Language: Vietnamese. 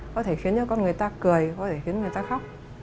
có thể khiến cho con người ta cười có thể khiến người ta khóc